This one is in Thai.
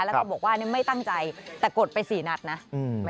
แล้วก็บอกว่าไม่ตั้งใจแต่กดไปสี่นัดนะ